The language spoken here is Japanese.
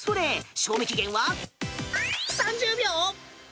賞味期限は３０秒！